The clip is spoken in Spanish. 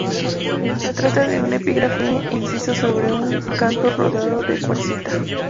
Se trata de un epígrafe inciso sobre un canto rodado de cuarcita.